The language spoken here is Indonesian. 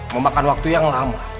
memakan waktu yang lama